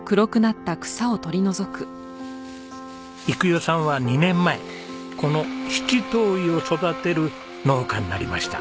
育代さんは２年前この七島藺を育てる農家になりました。